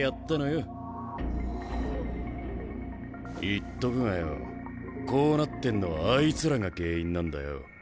言っとくがよこうなってんのはあいつらが原因なんだよ。